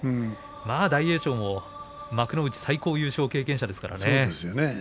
大栄翔も幕内最高優勝経験者ですからね。